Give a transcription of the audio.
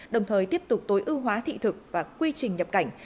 đồng thời tiếp tục tối ưu hóa thị thực và quy trình nhập cảnh